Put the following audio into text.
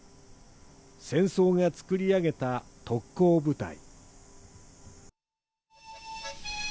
戦争が作り上げた特攻部隊。